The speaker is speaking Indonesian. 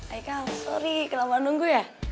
ayo sorry kelamaan nunggu ya